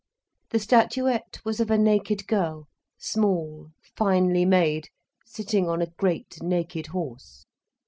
The statuette was of a naked girl, small, finely made, sitting on a great naked horse.